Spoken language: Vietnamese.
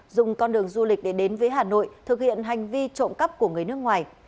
dùng con đường du lịch để đến với hà nội thực hiện hành vi trộm cắp của người nước ngoài